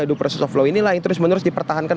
the process of law ini lah yang terus menerus dipertahankan